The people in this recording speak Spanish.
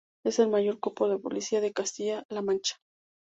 Es el mayor cuerpo de policía de Castilla-La Mancha.